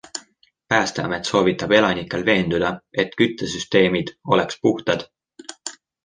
Päästeamet soovitab elanikel veenduda, et küttesüsteemid oleks puhtad.